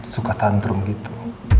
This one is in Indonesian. suka tantrum gitu